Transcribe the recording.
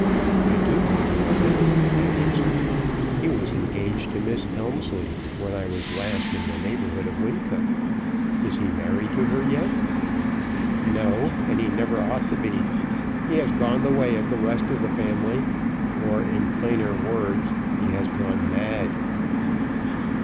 "I do know a little of him," I answered; "he was engaged to Miss Elmslie when I was last in the neighborhood of Wincot. Is he married to her yet?" "No, and he never ought to be. He has gone the way of the rest of the family or, in plainer words, he has gone mad."